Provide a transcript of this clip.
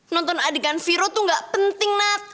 nonton adegan viro tuh gak penting nat